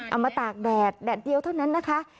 มาตากแดดแดดเดียวเท่านั้นนะคะ